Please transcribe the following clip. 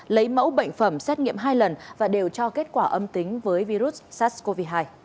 lấy mẫu bệnh phẩm xét nghiệm hai lần và đều cho kết quả âm tính với virus sars cov hai